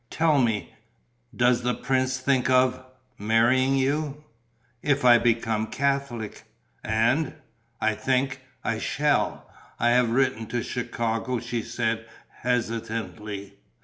Tell me, does the prince think of ... marrying you?" "If I become a Catholic." "And ...?" "I think ... I shall. I have written to Chicago," she said, hesitatingly.